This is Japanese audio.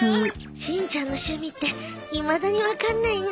しんちゃんの趣味っていまだにわかんないな。